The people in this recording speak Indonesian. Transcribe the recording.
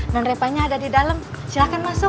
nah revanya ada di dalam silahkan masuk